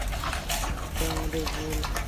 Sir, এটা আমাদের ভুল।